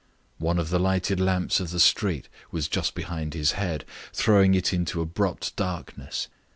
One of the lighted lamps of the street was just behind his head, throwing it into abrupt darkness.